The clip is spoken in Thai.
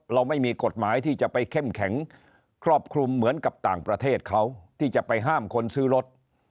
เราไม่มีกฎหมายที่จะไปเข้มแข็งครอบคลุมเหมือนกับต่างประเทศเขาที่จะไปห้ามคนซื้อรถ